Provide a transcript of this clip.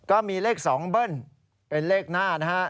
ก็มีเลข๒เบิ้ลเป็นเลขหน้านะฮะ